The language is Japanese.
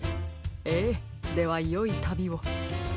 ええではよいたびを。